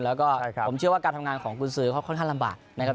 แล้วก็ผมเชื่อว่าการทำงานของกุญสือเขาค่อนข้างลำบากนะครับ